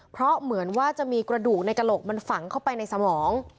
เพราะเหมือนว่าจะมีกระดูกในกระโหลกมันฝังเข้าไปในสมอง